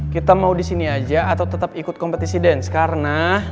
kita mau di sini aja atau tetap ikut kompetisi dance karena